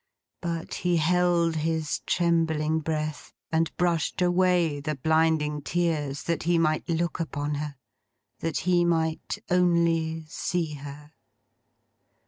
But, he held his trembling breath, and brushed away the blinding tears, that he might look upon her; that he might only see her.